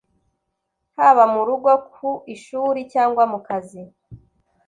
haba mu rugo, ku ishuri cyangwa mu kazi.